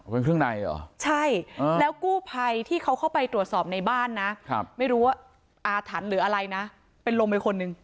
เป็นเครื่องในเหรอใช่แล้วกู้ภัยที่เขาเข้าไปตรวจสอบในบ้านนะไม่รู้ว่าอาถรรพ์หรืออะไรนะเป็นลมไปคนหนึ่ง